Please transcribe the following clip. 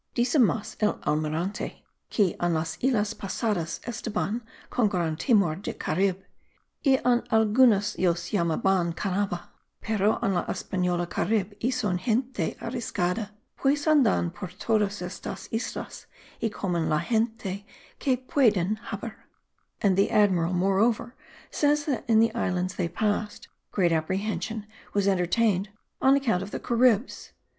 Dice mas el Almirante que en las islas passadas estaban con gran temor de carib: y en algunas los llamaban caniba; pero en la Espanola carib y son gente arriscada, pues andan por todas estas islas y comen la gente que pueden haber. [And the Admiral moreover says that in the islands they passed, great apprehension was entertained on account of the caribs.